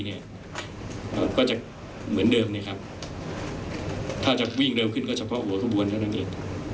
ก็จะเหมือนเดิมนะครับถ้าจะวิ่งเร็วขึ้นก็เฉพาะหัวขบวนเท่านั้นเอง